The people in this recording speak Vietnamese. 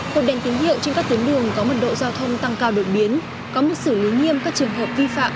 hộp đèn tín hiệu trên các tuyến đường có mật độ giao thông tăng cao đột biến có mức xử lý nghiêm các trường hợp vi phạm